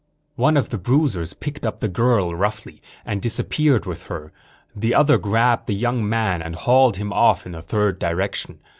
One of the bruisers picked up the girl, roughly, and disappeared with her. The other grabbed the young man and hauled him off in a third direction.